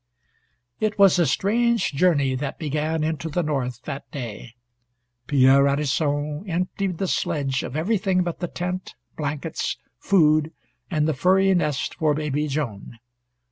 It was a strange journey that began into the North that day. Pierre Radisson emptied the sledge of everything but the tent, blankets, food and the furry nest for baby Joan.